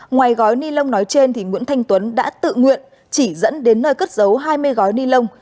ngoài gói ni lông nói trên nguyễn thanh tuấn đã tự nguyện chỉ dẫn đến nơi cất giấu hai mươi gói ni lông